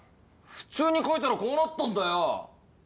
普通に描いたらこうなったんだよ。